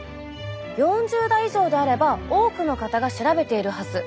４０代以上であれば多くの方が調べているはず。